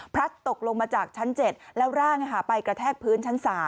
ตกลงมาจากชั้น๗แล้วร่างไปกระแทกพื้นชั้น๓